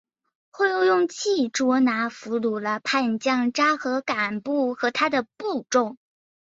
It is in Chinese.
后又用计捉拿俘虏了叛将札合敢不和他的部众。